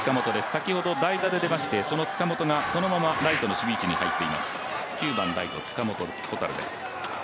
先ほど、代打で出ましてその塚本がそのままライトの守備位置に入っています。